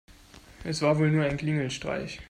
Es war wohl nur ein Klingelstreich.